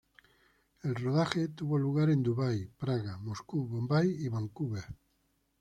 El rodaje tuvo lugar en Dubái, Praga, Moscú, Bombay y Vancouver.